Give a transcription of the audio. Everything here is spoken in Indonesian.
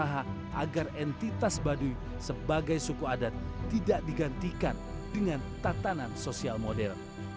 para tetua adat berusia agar entitas baduy sebagai suku adat tidak digantikan dengan tata nan sosial model